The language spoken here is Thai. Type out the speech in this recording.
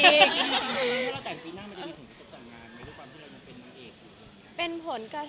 ก็บอกว่าเซอร์ไพรส์ไปค่ะ